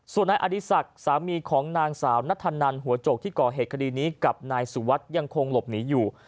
ส่วนนายอดีศักดิ์สามีของนางสาวนัทธนันหัวโจกที่ก่อเหตุคดีนี้กับนายสุวัสดิ์ยังคงหลบหนีอยู่